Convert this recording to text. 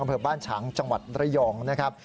ก็เพิ่มบ้านฉางจังหวัดระย่องนะครับ